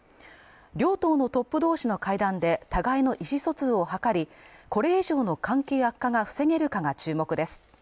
両党のトップ同士の会談で、互いの意思疎通を図りこれ以上の関係悪化が防げるかが注目です